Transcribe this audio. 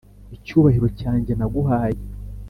icyubahiro cyanjye naguhaye